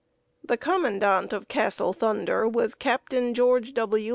The Commandant of Castle Thunder was Captain George W.